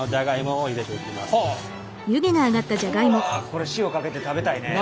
これ塩かけて食べたいね。